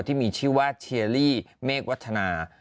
ที่มีชื่อว่าเชียรี่เมฆวัฒนา